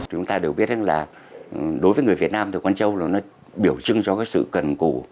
chúng ta đều biết là đối với người việt nam con trâu biểu trưng cho sự cần củ